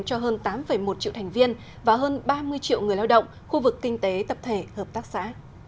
cho hơn tám một triệu thành viên và hơn ba mươi triệu người lao động khu vực kinh tế tập thể hợp tác xã